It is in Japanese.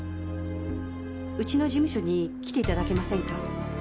ウチの事務所に来ていただけませんか？